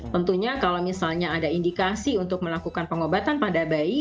tentunya kalau misalnya ada indikasi untuk melakukan pengobatan pada bayi